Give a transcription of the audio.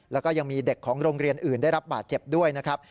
แล้วก็ยังมีเด็กของโรงเรียนอื่นได้รับบาดเจ็บด้วยนะครับ